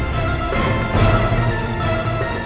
jangan lupa joko tingkir